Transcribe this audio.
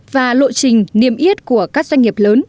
và lộ trình niêm yết của các doanh nghiệp lớn